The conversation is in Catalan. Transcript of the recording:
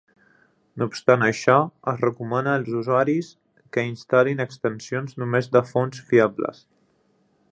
No obstant això, es recomana als usuaris que instal·lin extensions només de fonts fiables.